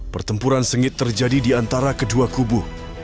pertempuran sengit terjadi di antara kedua kubu